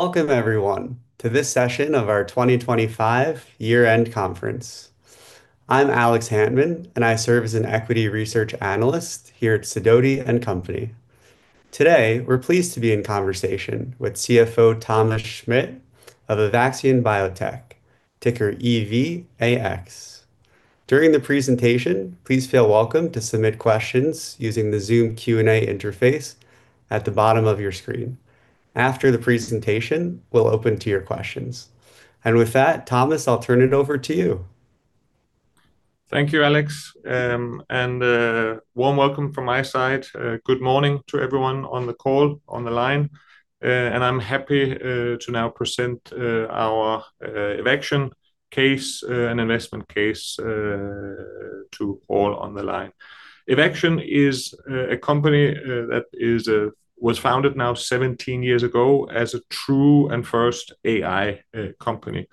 Welcome, everyone, to this session of our 2025 year-end conference. I'm Alex Hantman, and I serve as an equity research analyst here at Sidoti & Company. Today, we're pleased to be in conversation with CFO Thomas Schmidt of Evaxion Biotech, ticker EVAX. During the presentation, please feel welcome to submit questions using the Zoom Q&A interface at the bottom of your screen. After the presentation, we'll open to your questions. And with that, Thomas, I'll turn it over to you. Thank you, Alex. And a warm welcome from my side. Good morning to everyone on the call, on the line. And I'm happy to now present our Evaxion case and investment case to all on the line. Evaxion is a company that was founded now 17 years ago as a true and first AI company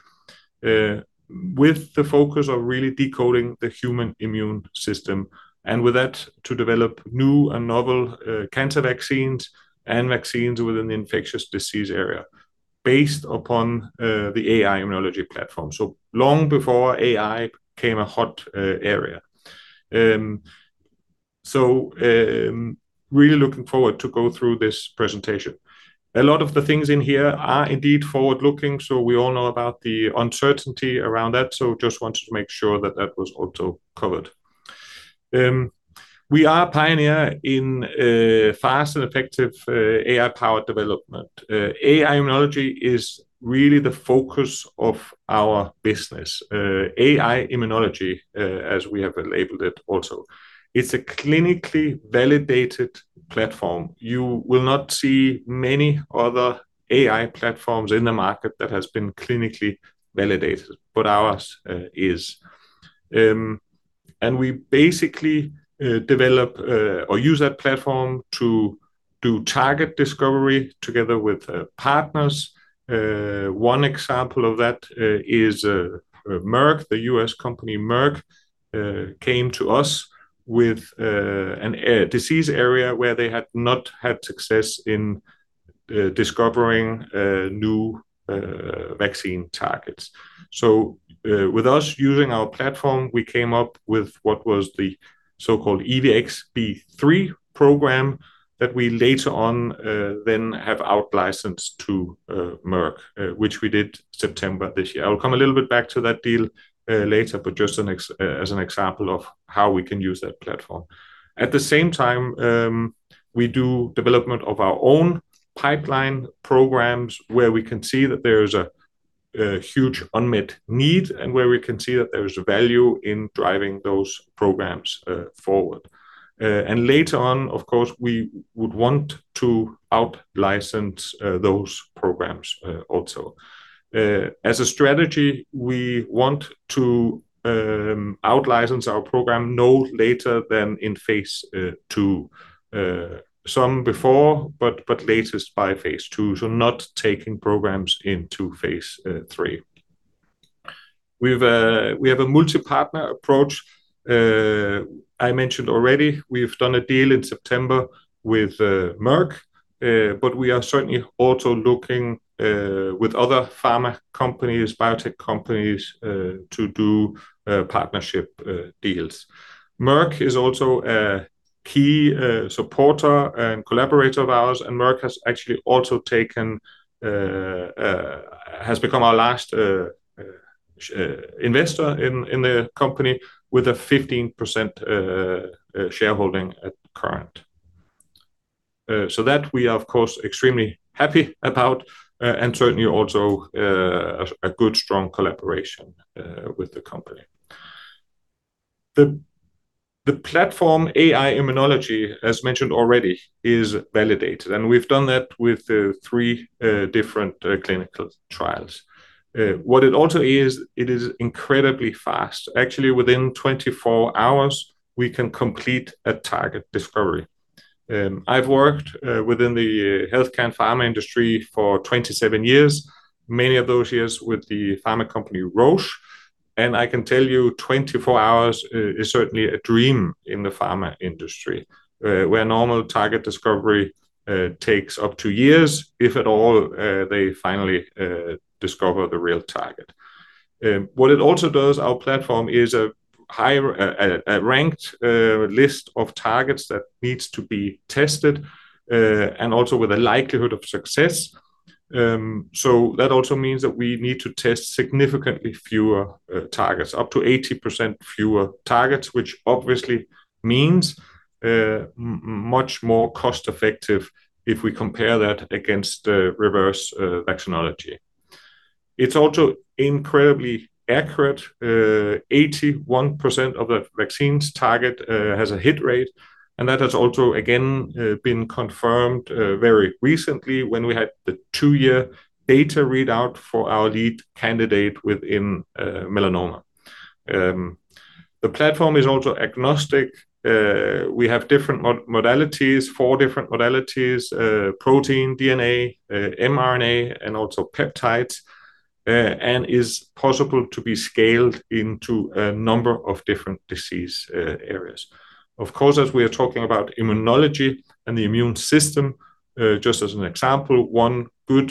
with the focus of really decoding the human immune system, and with that, to develop new and novel cancer vaccines and vaccines within the infectious disease area based upon the AI-Immunology platform. So long before AI became a hot area. So really looking forward to going through this presentation. A lot of the things in here are indeed forward-looking, so we all know about the uncertainty around that. So just wanted to make sure that that was also covered. We are a pioneer in fast and effective AI-powered development. AI-Immunology is really the focus of our business, AI-Immunology, as we have labeled it also. It's a clinically validated platform. You will not see many other AI platforms in the market that have been clinically validated, but ours is, and we basically develop or use that platform to do target discovery together with partners. One example of that is Merck, the U.S. company Merck, came to us with a disease area where they had not had success in discovering new vaccine targets, so with us using our platform, we came up with what was the so-called EVX-B3 program that we later on then have outlicensed to Merck, which we did in September this year. I'll come a little bit back to that deal later, but just as an example of how we can use that platform. At the same time, we do development of our own pipeline programs where we can see that there is a huge unmet need and where we can see that there is value in driving those programs forward. And later on, of course, we would want to outlicense those programs also. As a strategy, we want to outlicense our program no later than in phase II. Some before, but latest by phase II, so not taking programs into phase III. We have a multi-partner approach. I mentioned already, we've done a deal in September with Merck, but we are certainly also looking with other pharma companies, biotech companies, to do partnership deals. Merck is also a key supporter and collaborator of ours, and Merck has actually also become our last investor in the company with a 15% shareholding at current. So that we are, of course, extremely happy about and certainly also a good, strong collaboration with the company. The platform AI-Immunology, as mentioned already, is validated, and we've done that with three different clinical trials. What it also is, it is incredibly fast. Actually, within 24 hours, we can complete a target discovery. I've worked within the healthcare and pharma industry for 27 years, many of those years with the pharma company Roche, and I can tell you, 24 hours is certainly a dream in the pharma industry, where normal target discovery takes up to years, if at all they finally discover the real target. What it also does, our platform, is a ranked list of targets that needs to be tested and also with a likelihood of success. So that also means that we need to test significantly fewer targets, up to 80% fewer targets, which obviously means much more cost-effective if we compare that against reverse vaccinology. It's also incredibly accurate. 81% of the vaccines target has a hit rate, and that has also, again, been confirmed very recently when we had the two-year data readout for our lead candidate within melanoma. The platform is also agnostic. We have different modalities, four different modalities: protein, DNA, mRNA, and also peptides, and is possible to be scaled into a number of different disease areas. Of course, as we are talking about immunology and the immune system, just as an example, one good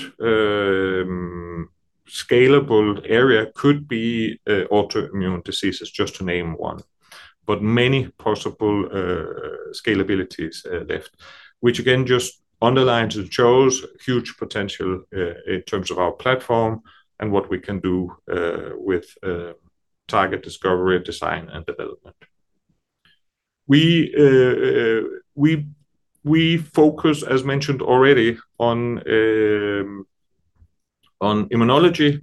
scalable area could be autoimmune diseases, just to name one, but many possible scalabilities left, which again just underlines and shows huge potential in terms of our platform and what we can do with target discovery, design, and development. We focus, as mentioned already, on immunology,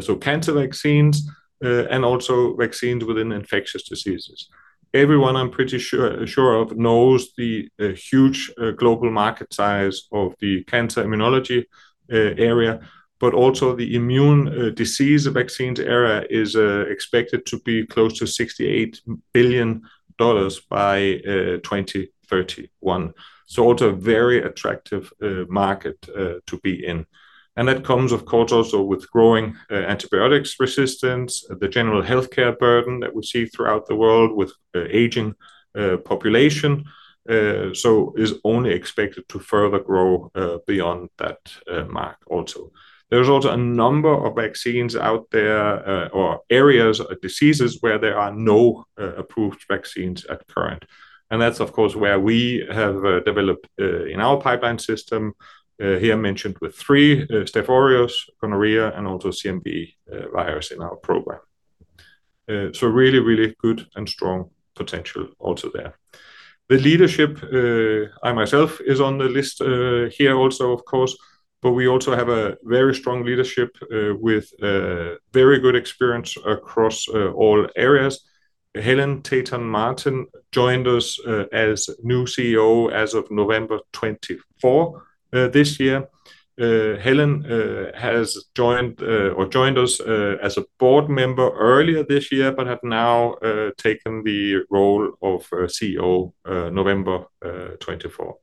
so cancer vaccines and also vaccines within infectious diseases. Everyone, I'm pretty sure of, knows the huge global market size of the cancer immunology area, but also the infectious disease vaccines area is expected to be close to $68 billion by 2031. So also a very attractive market to be in, and that comes, of course, also with growing antibiotic resistance, the general healthcare burden that we see throughout the world with an aging population, so is only expected to further grow beyond that mark also. There's also a number of vaccines out there or areas or diseases where there are no approved vaccines at current, and that's, of course, where we have developed in our pipeline system, here mentioned with three: Staph aureus, gonorrhea, and also CMV virus in our program, so really, really good and strong potential also there. The leadership, I myself, is on the list here also, of course, but we also have a very strong leadership with very good experience across all areas. Helen Tayton-Martin joined us as new CEO as of November 24 this year. Helen has joined us as a board member earlier this year, but has now taken the role of CEO November 24.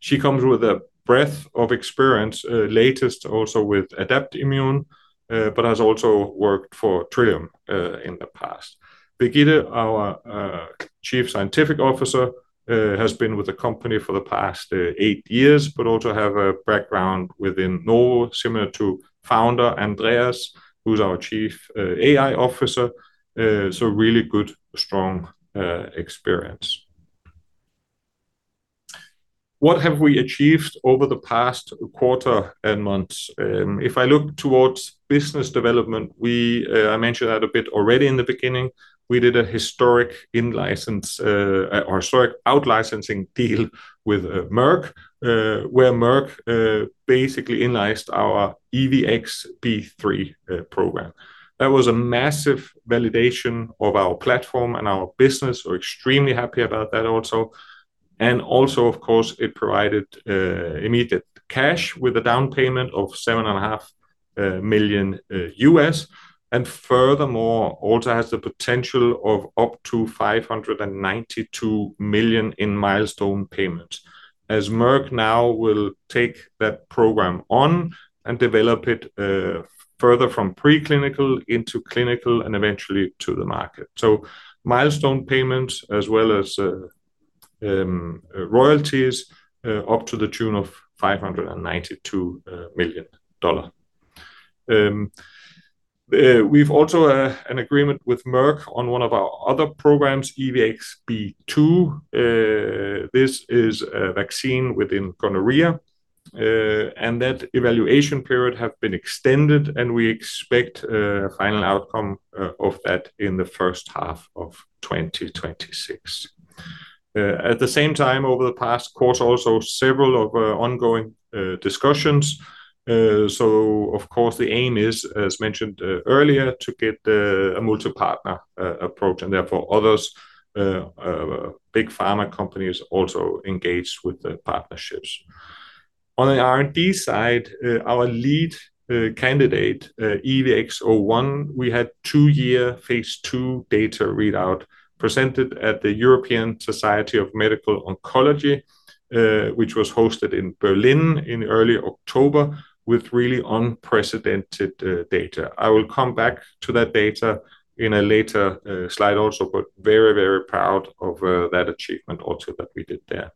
She comes with a breadth of experience, latest also with Adaptimmune, but has also worked for Trillium in the past. Birgitte, our Chief Scientific Officer, has been with the company for the past eight years, but also has a background within Novo, similar to Founder Andreas, who's our Chief AI Officer. So really good, strong experience. What have we achieved over the past quarter and months? If I look towards business development, I mentioned that a bit already in the beginning. We did a historic outlicensing deal with Merck, where Merck basically in-licensed our EVX-B3 program. That was a massive validation of our platform and our business. We're extremely happy about that also. And also, of course, it provided immediate cash with a down payment of $7.5 million, and furthermore, also has the potential of up to $592 million in milestone payments, as Merck now will take that program on and develop it further from preclinical into clinical and eventually to the market. Milestone payments as well as royalties up to the tune of $592 million. We have also an agreement with Merck on one of our other programs, EVX-B2. This is a vaccine within gonorrhea, and that evaluation period has been extended, and we expect a final outcome of that in the first half of 2026. At the same time, over the past course, also several of our ongoing discussions. Of course, the aim is, as mentioned earlier, to get a multi-partner approach, and therefore others, big pharma companies also engage with the partnerships. On the R&D side, our lead candidate, EVX-01, we had a two-year phase II data readout presented at the European Society for Medical Oncology, which was hosted in Berlin in early October with really unprecedented data. I will come back to that data in a later slide also, but very, very proud of that achievement also that we did there.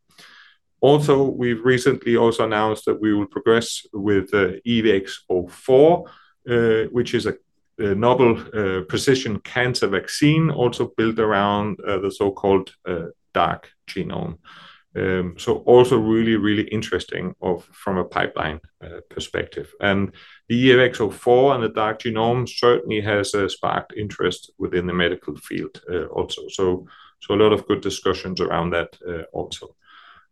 Also, we've recently also announced that we will progress with EVX-04, which is a novel precision cancer vaccine, also built around the so-called dark genome. So also really, really interesting from a pipeline perspective. And the EVX-04 and the dark genome certainly has sparked interest within the medical field also. So a lot of good discussions around that also.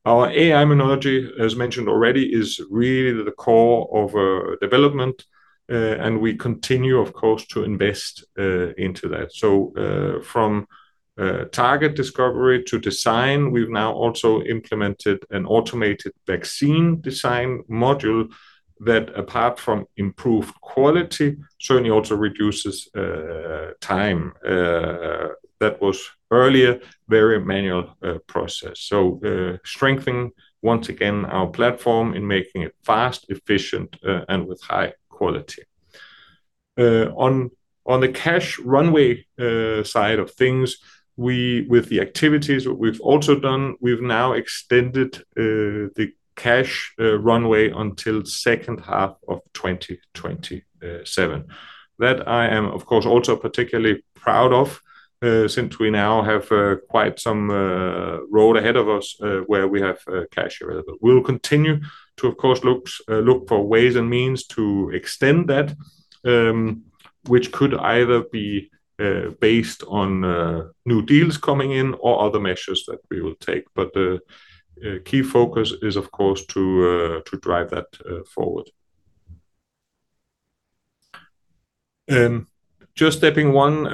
Our AI-Immunology, as mentioned already, is really the core of our development, and we continue, of course, to invest into that. So from target discovery to design, we've now also implemented an automated vaccine design module that, apart from improved quality, certainly also reduces time that was earlier a very manual process. Strengthening, once again, our platform in making it fast, efficient, and with high quality. On the cash runway side of things, with the activities we've also done, we've now extended the cash runway until the second half of 2027. That I am, of course, also particularly proud of since we now have quite some road ahead of us where we have cash available. We'll continue to, of course, look for ways and means to extend that, which could either be based on new deals coming in or other measures that we will take. But the key focus is, of course, to drive that forward. Just stepping one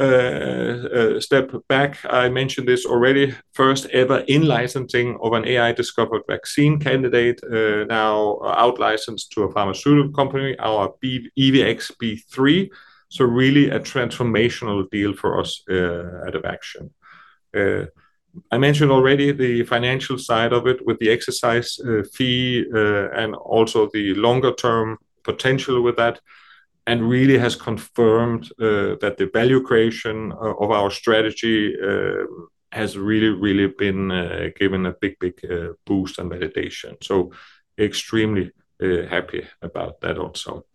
step back, I mentioned this already, first-ever in-licensing of an AI-discovered vaccine candidate now outlicensed to a pharmaceutical company, our EVX-B3. So really a transformational deal for us at Evaxion. I mentioned already the financial side of it with the exercise fee and also the longer-term potential with that, and really has confirmed that the value creation of our strategy has really, really been given a big, big boost and validation. So extremely happy about that also.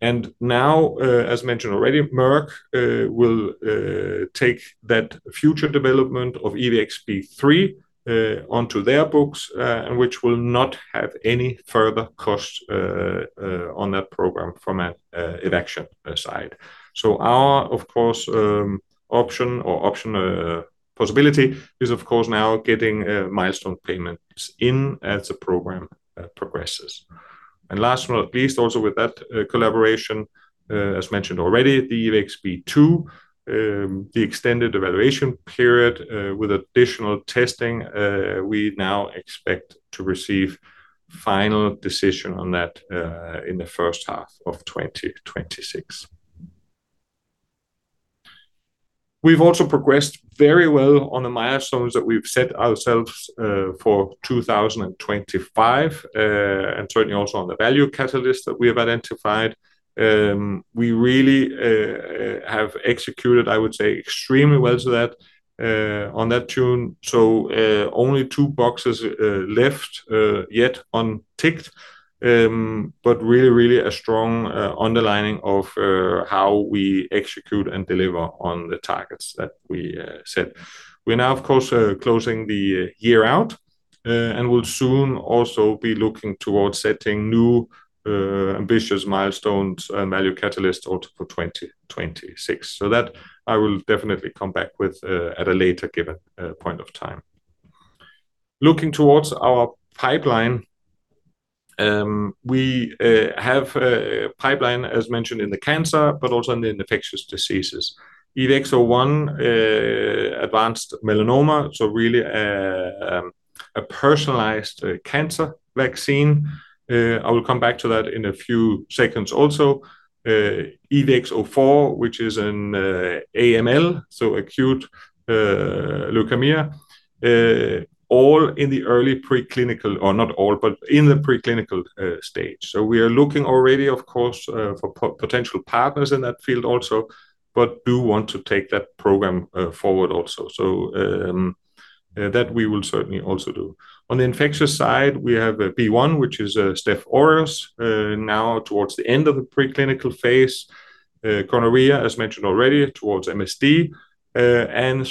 And now, as mentioned already, Merck will take that future development of EVX-B3 onto their books, which will not have any further costs on that program from an Evaxion side. So our, of course, option or optional possibility is, of course, now getting milestone payments in as the program progresses. And last but not least, also with that collaboration, as mentioned already, the EVX-B2, the extended evaluation period with additional testing, we now expect to receive final decision on that in the first half of 2026. We've also progressed very well on the milestones that we've set ourselves for 2025 and certainly also on the value catalyst that we have identified. We really have executed, I would say, extremely well to that on that tune so only two boxes left yet unticked, but really, really a strong underlining of how we execute and deliver on the targets that we set. We're now, of course, closing the year out and will soon also be looking towards setting new ambitious milestones and value catalysts also for 2026 so that I will definitely come back with at a later given point of time. Looking towards our pipeline, we have a pipeline, as mentioned, in the cancer, but also in the infectious diseases. EVX-01, advanced melanoma, so really a personalized cancer vaccine. I will come back to that in a few seconds also. EVX-04, which is an AML, so acute leukemia, all in the early preclinical, or not all, but in the preclinical stage, so we are looking already, of course, for potential partners in that field also, but do want to take that program forward also, so that we will certainly also do. On the infectious side, we have B1, which is Staph aureus now towards the end of the preclinical phase, gonorrhea, as mentioned already, towards MSD, and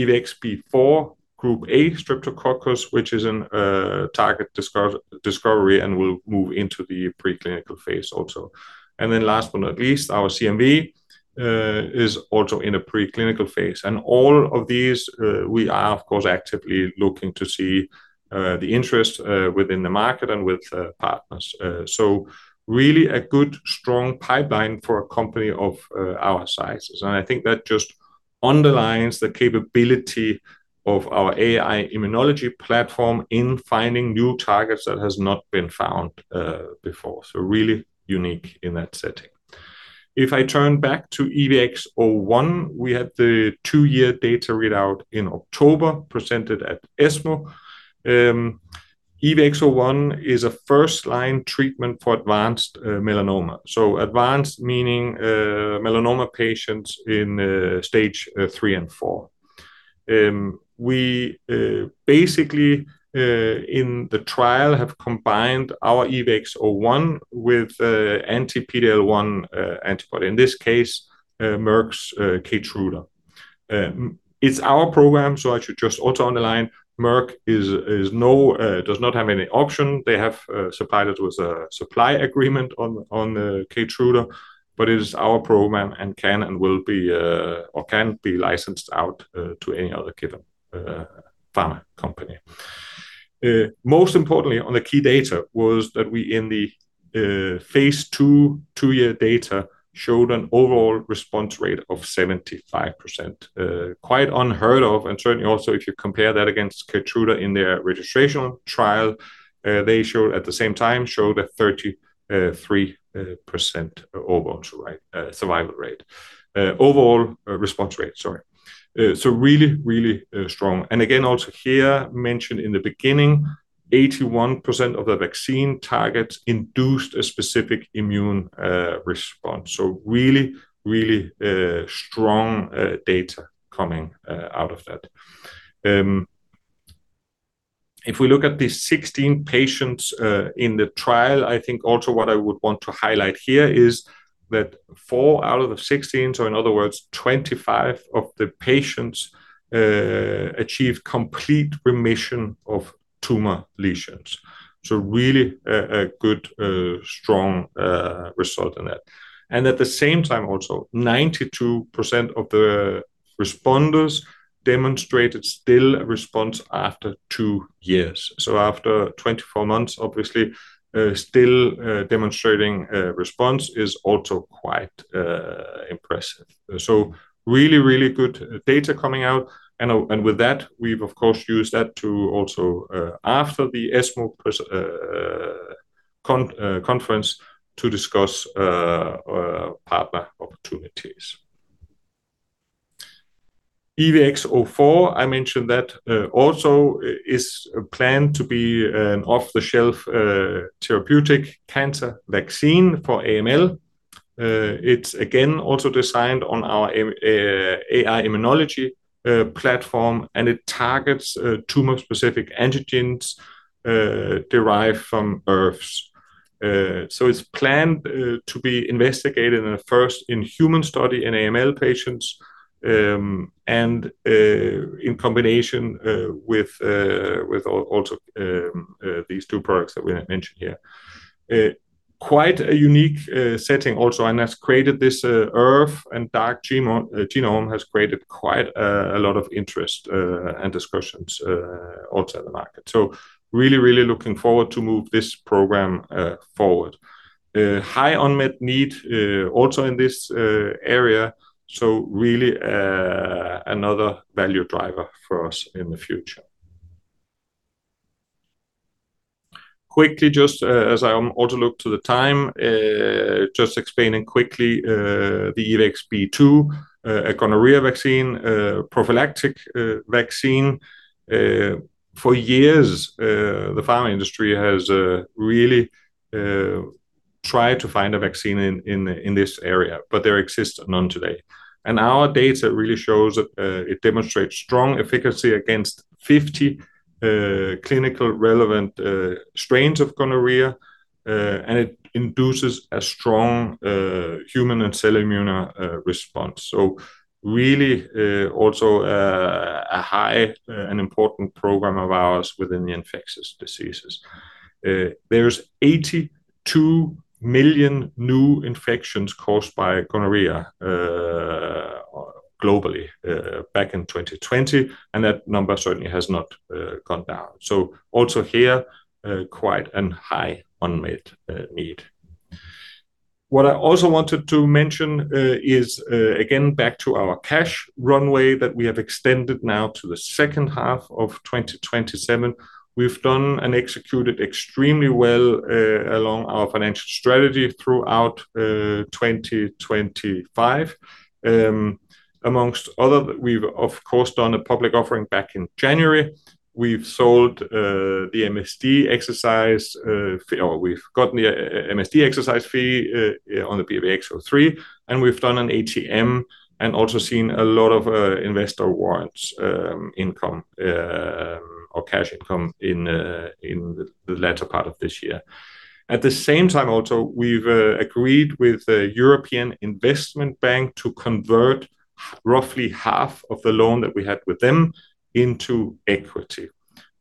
EVX-B4, Group A Streptococcus, which is a target discovery and will move into the preclinical phase also, and then last but not least, our CMV is also in a preclinical phase, and all of these, we are, of course, actively looking to see the interest within the market and with partners, so really a good, strong pipeline for a company of our size. I think that just underlines the capability of our AI-Immunology platform in finding new targets that have not been found before. So really unique in that setting. If I turn back to EVX-01, we had the two-year data readout in October presented at ESMO. EVX-01 is a first-line treatment for advanced melanoma. So advanced meaning melanoma patients in stage three and four. We basically, in the trial, have combined our EVX-01 with anti-PD-L1 antibody, in this case, Merck's Keytruda. It's our program, so I should just also underline, Merck does not have any option. They have supplied us with a supply agreement on Keytruda, but it is our program and can and will be or can be licensed out to any other given pharma company. Most importantly, on the key data was that we in the phase II, two-year data showed an overall response rate of 75%. Quite unheard of, and certainly also if you compare that against Keytruda in their registration trial, they showed at the same time a 33% overall response rate. So really, really strong. And again, also here mentioned in the beginning, 81% of the vaccine targets induced a specific immune response. So really, really strong data coming out of that. If we look at the 16 patients in the trial, I think also what I would want to highlight here is that four out of the 16, so in other words, 25% of the patients achieved complete remission of tumor lesions. So really a good, strong result in that. And at the same time also, 92% of the responders demonstrated still a response after two years. So after 24 months, obviously, still demonstrating response is also quite impressive. So really, really good data coming out. And with that, we've, of course, used that to also after the ESMO conference to discuss partner opportunities. EVX-04, I mentioned that also is planned to be an off-the-shelf therapeutic cancer vaccine for AML. It's again also designed on our AI-Immunology platform, and it targets tumor-specific antigens derived from ERVs. So it's planned to be investigated first in human study in AML patients and in combination with also these two products that we mentioned here. Quite a unique setting also, and has created this ERF and dark genome has created quite a lot of interest and discussions also in the market. So really, really looking forward to move this program forward. High unmet need also in this area. So really another value driver for us in the future. Quickly, just as I also look to the time, just explaining quickly the EVX-B2, a gonorrhea vaccine, prophylactic vaccine. For years, the pharma industry has really tried to find a vaccine in this area, but there exists none today, and our data really shows that it demonstrates strong efficacy against 50 clinically relevant strains of gonorrhea, and it induces a strong humoral and cellular immune response. So really also a high and important program of ours within the infectious diseases, so there's 82 million new infections caused by gonorrhea globally back in 2020, and that number certainly has not gone down, so also here, quite a high unmet need. What I also wanted to mention is, again, back to our cash runway that we have extended now to the second half of 2027. We've done and executed extremely well along our financial strategy throughout 2025. Among other, we've, of course, done a public offering back in January. We've sold the MSD exercise, or we've gotten the MSD exercise fee on the EVX-B3, and we've done an ATM and also seen a lot of investor warrants income or cash income in the latter part of this year. At the same time, also, we've agreed with the European Investment Bank to convert roughly half of the loan that we had with them into equity,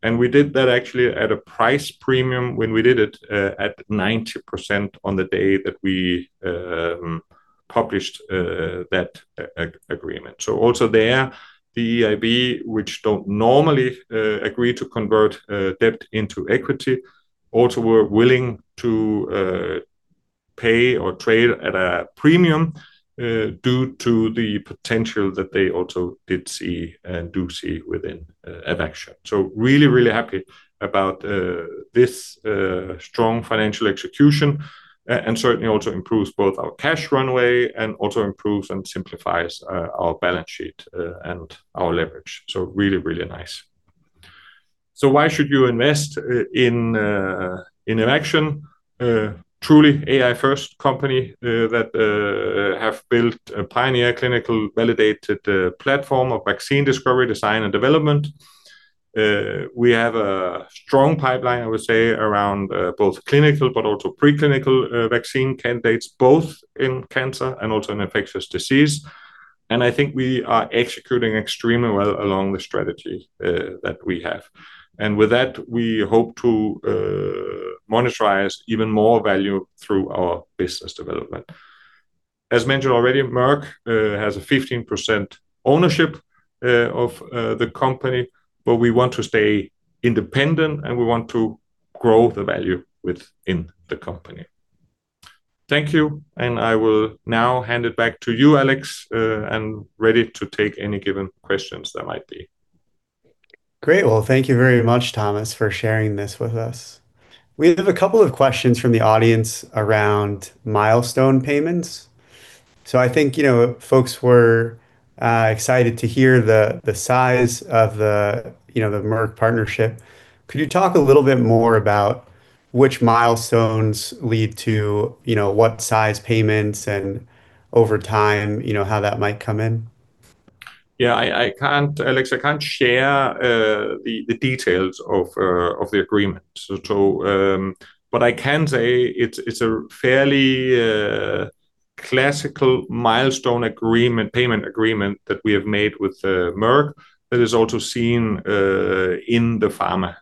and we did that actually at a price premium when we did it at 90% on the day that we published that agreement, so also there, the EIB, which don't normally agree to convert debt into equity, also were willing to pay or trade at a premium due to the potential that they also did see and do see within Evaxion. So, really, really happy about this strong financial execution and certainly also improves both our cash runway and also improves and simplifies our balance sheet and our leverage. So, really, really nice. So, why should you invest in Evaxion? Truly AI-first company that have built a pioneering clinically validated platform of vaccine discovery, design, and development. We have a strong pipeline, I would say, around both clinical but also preclinical vaccine candidates, both in cancer and also in infectious disease. And I think we are executing extremely well along the strategy that we have. And with that, we hope to monetize even more value through our business development. As mentioned already, Merck has a 15% ownership of the company, but we want to stay independent and we want to grow the value within the company. Thank you, and I will now hand it back to you, Alex, and ready to take any given questions there might be. Great. Well, thank you very much, Thomas, for sharing this with us. We have a couple of questions from the audience around milestone payments. So I think folks were excited to hear the size of the Merck partnership. Could you talk a little bit more about which milestones lead to what size payments and over time how that might come in? Yeah, Alex, I can't share the details of the agreement, but I can say it's a fairly classical milestone payment agreement that we have made with Merck that is also seen in the pharma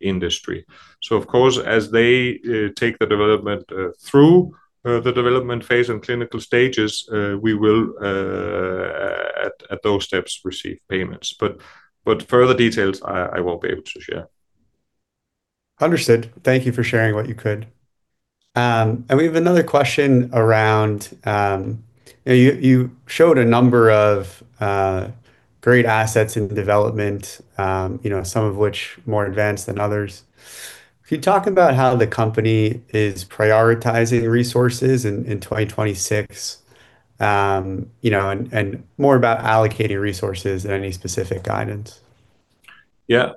industry, so of course, as they take the development through the development phase and clinical stages, we will, at those steps, receive payments, but further details, I won't be able to share. Understood. Thank you for sharing what you could, and we have another question around you showed a number of great assets in development, some of which more advanced than others. Could you talk about how the company is prioritizing resources in 2026 and more about allocating resources and any specific guidance? Yeah,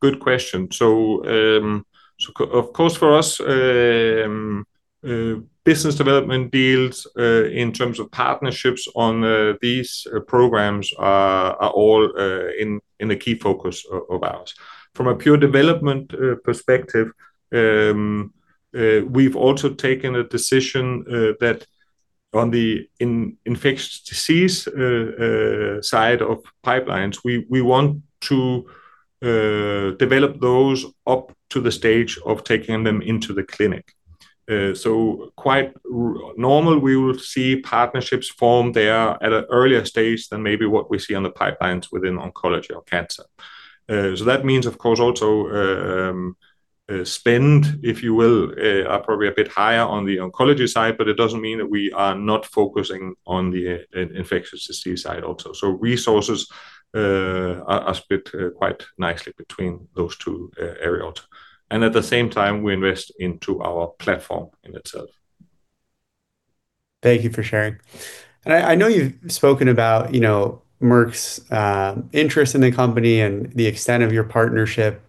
good question. So, of course, for us, business development deals in terms of partnerships on these programs are all in the key focus of ours. From a pure development perspective, we've also taken a decision that on the infectious disease side of pipelines, we want to develop those up to the stage of taking them into the clinic. So quite normal, we will see partnerships form there at an earlier stage than maybe what we see on the pipelines within oncology or cancer. So that means, of course, also spend, if you will, are probably a bit higher on the oncology side, but it doesn't mean that we are not focusing on the infectious disease side also. So resources are split quite nicely between those two areas. And at the same time, we invest into our platform in itself. Thank you for sharing. And I know you've spoken about Merck's interest in the company and the extent of your partnership.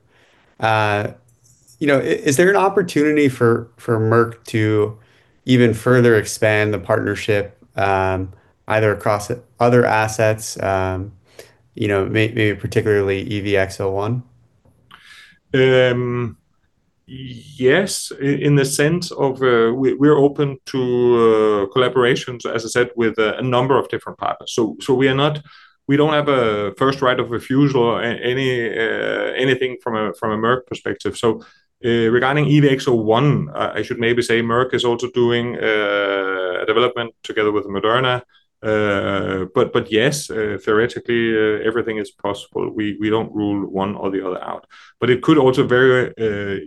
Is there an opportunity for Merck to even further expand the partnership either across other assets, maybe particularly EVX-01? Yes, in the sense of we're open to collaborations, as I said, with a number of different partners. So we don't have a first right of refusal or anything from a Merck perspective. So regarding EVX-01, I should maybe say Merck is also doing development together with Moderna. But yes, theoretically, everything is possible. We don't rule one or the other out. But it could also very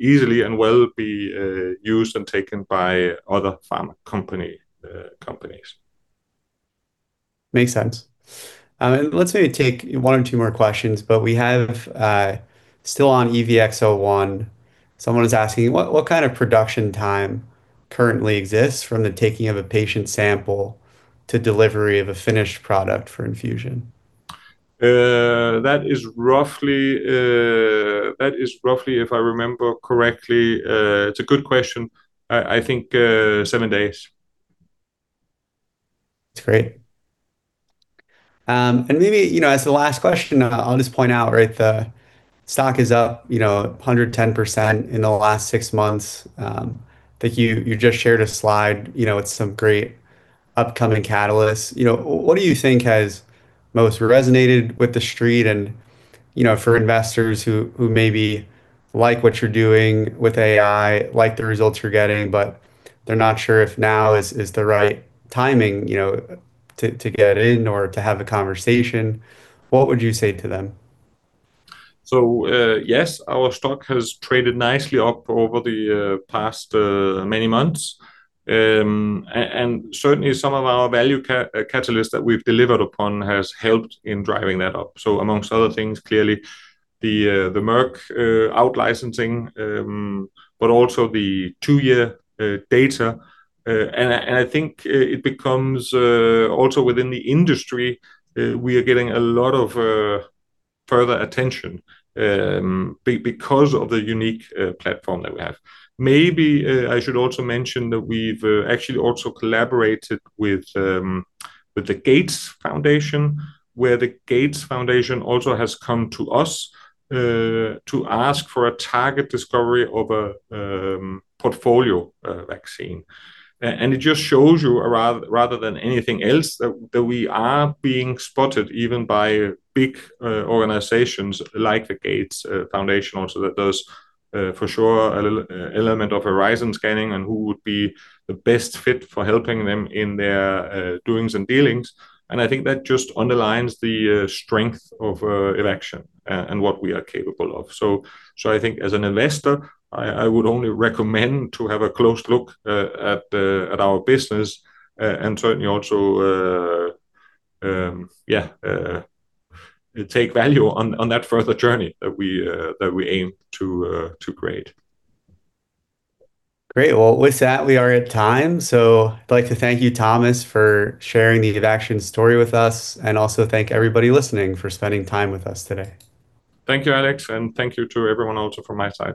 easily and well be used and taken by other pharma companies. Makes sense. Let's maybe take one or two more questions, but we have still on EVX-01, someone is asking, what kind of production time currently exists from the taking of a patient sample to delivery of a finished product for infusion? That is roughly, if I remember correctly, it's a good question. I think seven days. That's great. And maybe as the last question, I'll just point out, right, the stock is up 110% in the last six months. I think you just shared a slide with some great upcoming catalysts. What do you think has most resonated with the street and for investors who maybe like what you're doing with AI, like the results you're getting, but they're not sure if now is the right timing to get in or to have a conversation, what would you say to them? So yes, our stock has traded nicely up over the past many months. And certainly, some of our value catalysts that we've delivered upon has helped in driving that up. So amongst other things, clearly, the Merck outlicensing, but also the two-year data. And I think it becomes also within the industry, we are getting a lot of further attention because of the unique platform that we have. Maybe I should also mention that we've actually also collaborated with the Gates Foundation, where the Gates Foundation also has come to us to ask for a target discovery of a portfolio vaccine. And it just shows you, rather than anything else, that we are being spotted even by big organizations like the Gates Foundation also. That does for sure an element of horizon scanning and who would be the best fit for helping them in their doings and dealings. And I think that just underlines the strength of Evaxion and what we are capable of. So I think as an investor, I would only recommend to have a close look at our business and certainly also, yeah, take value on that further journey that we aim to create. Great. Well, with that, we are at time. So I'd like to thank you, Thomas, for sharing the Evaxion story with us and also thank everybody listening for spending time with us today. Thank you, Alex, and thank you to everyone also for my side.